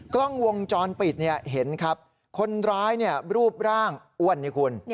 กล้องวงจรปิดเนี่ยเห็นครับคนร้ายเนี่ยรูปร่างอ้วนเนี่ยคุณ